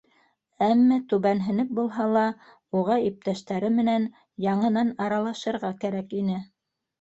Әммә, түбәнһенеп булһа ла, уға иптәштәре менән яңынан аралашырға кәрәк ине.